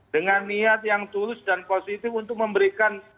dengan niat yang tulus dan positif untuk memberikan